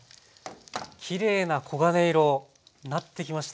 きれいな黄金色なってきました。